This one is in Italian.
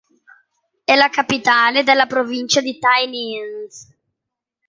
È la capitale della Provincia di Tay Ninh.